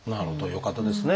よかったですね。